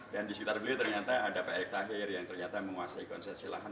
dan di sekitar beliau ternyata ada pak erick thohir yang ternyata menguasai konses silahan